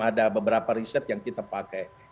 ada beberapa riset yang kita pakai